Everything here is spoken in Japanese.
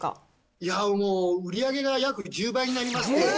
いやもう、売り上げが約１０倍になりまして、